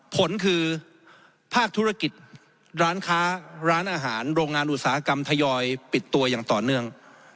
ผลคือภาคธุรกิจร้านค้าร้านอาหารโรงงานอุตสาหกรรมทยอยปิดตัวอย่างต่อเนื่อง